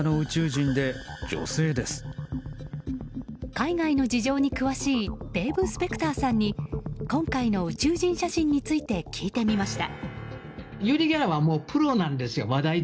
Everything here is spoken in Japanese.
海外の事情に詳しいデーブ・スペクターさんに今回の宇宙人写真について聞いてみました。